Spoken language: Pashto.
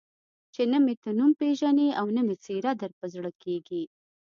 چې نه مې ته نوم پېژنې او نه مې څېره در په زړه کېږي.